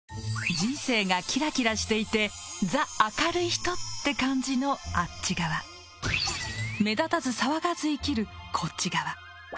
人生がキラキラしていてザ・明るい人って感じのあっち側目立たず騒がず生きるこっち側。